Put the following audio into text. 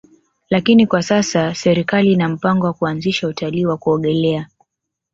Lakini kwa sasa serikali ina mpango wa kuanzisha utalii wa kuogelea